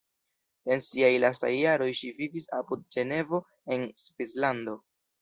En siaj lastaj jaroj ŝi vivis apud Ĝenevo en Svislando.